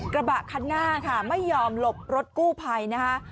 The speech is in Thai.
กระบะคันหน้าค่ะไม่ยอมหลบรถกู้ภัยนะคะ